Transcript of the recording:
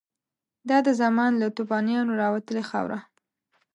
دا د زمان له توپانونو راوتلې خاوره